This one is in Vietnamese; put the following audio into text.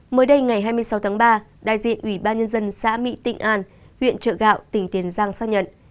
mới đây ngày hai mươi sáu tháng ba đại diện ủy ban nhân dân xã mỹ tịnh an huyện trợ gạo tỉnh tiền giang xác nhận